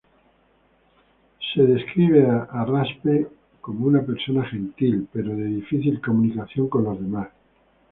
Raspe es descrito como una persona gentil, pero de difícil comunicación con los demás.